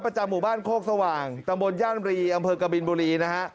หมู่บ้านโคกสว่างตำบลย่านรีอำเภอกบินบุรีนะฮะ